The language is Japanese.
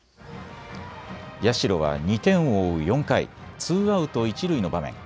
社は２点を追う４回、ツーアウト一塁の場面。